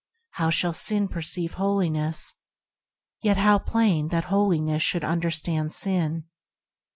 How shall sin perceive Holiness ? Yet how plain that Holiness should understand sin.